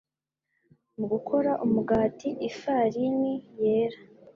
Mu gukora umugati, ifarini yera